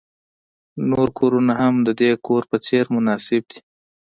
نور کورونه هم د دې کور په څیر مناسب دي